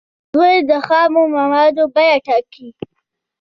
دوی د خامو موادو بیې ټاکي.